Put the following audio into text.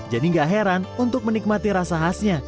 jadi tidak heran untuk menikmati rasa khasnya